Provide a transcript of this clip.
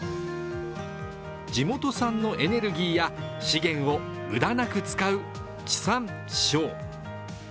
地元産のエネルギーや資源を無駄なく使う地産地消。